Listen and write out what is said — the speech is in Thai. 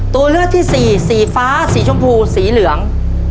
ตัวเลือกที่สี่สีฟ้าสีชมพูสีเหลือง